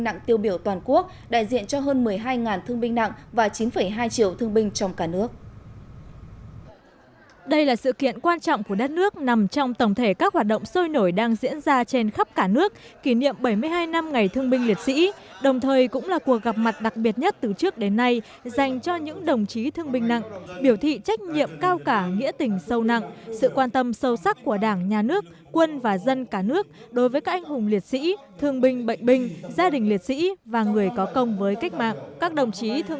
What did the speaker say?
đây là sự kiện quan trọng của đất nước nằm trong tổng thể các hoạt động sôi nổi đang diễn ra trên khắp cả nước kỷ niệm bảy mươi hai năm ngày thương binh liệt sĩ đồng thời cũng là cuộc gặp mặt đặc biệt nhất từ trước đến nay dành cho những đồng chí thương binh nặng biểu thị trách nhiệm cao cả nghĩa tình sâu nặng sự quan tâm sâu sắc của đảng nhà nước quân và dân cả nước đối với các anh hùng liệt sĩ thương binh bệnh bình gia đình liệt sĩ và người có công với cách mạng